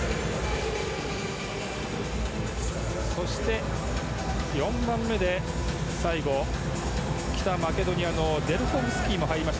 そして、４番目で最後北マケドニアのデルコフスキも入りました。